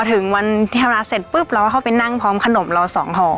ถึงวันที่ทำร้านเสร็จปุ๊บเราก็เข้าไปนั่งพร้อมขนมเราสองห่อ